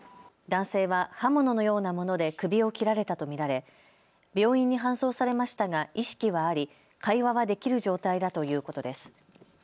男性は刃物のようなもので首を切られたと見られ、病院に搬送されましたが意識はあり会話はできる状態だということです。